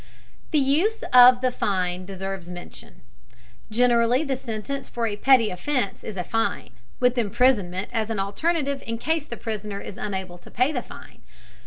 The use of the fine deserves mention. Generally the sentence for a petty offense is a fine, with imprisonment as an alternative in case the prisoner is unable to pay the fine.